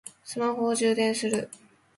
スマホを充電する